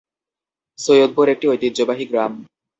সৈয়দপুর একটি ঐতিহ্যবাহী গ্রাম।